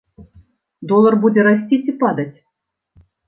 Долар будзе расці ці падаць?